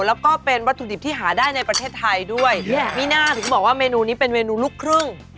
แล้วก็เป็นวัตถุดิบที่หาได้ในประเทศไทยด้วยมีน่าถึงบอกว่าเมนูนี้เป็นเมนูลูกครึ่ง